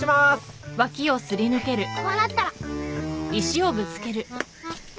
くっこうなったら。